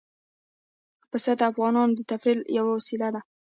پسه د افغانانو د تفریح لپاره یوه وسیله ده.